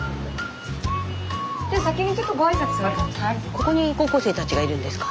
ここに高校生たちがいるんですか？